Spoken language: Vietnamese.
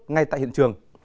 ngay tại hiện trường